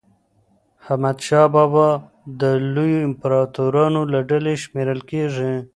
حمدشاه بابا د لویو امپراطورانو له ډلي شمېرل کېږي.